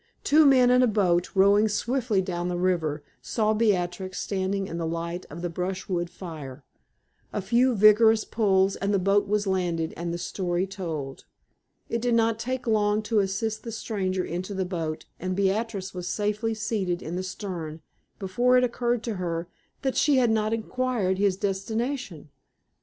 Two men in a boat, rowing swiftly down the river, saw Beatrix standing in the light of the brushwood fire. A few vigorous pulls and the boat was landed, and the story told. It did not take long to assist the stranger into the boat, and Beatrix was safely seated in the stern before it occurred to her that she had not inquired his destination.